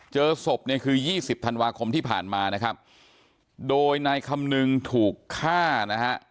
เจอศพเนี่ยคือยี่สิบธันวาคมที่ผ่านมานะครับโดยนายคำนึงถูกฆ่านะฮะ